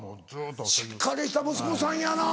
しっかりした息子さんやな。